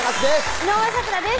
井上咲楽です